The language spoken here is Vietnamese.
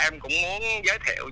em cũng muốn giới thiệu